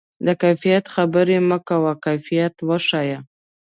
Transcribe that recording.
د کیفیت خبرې مه کوه، کیفیت وښیه.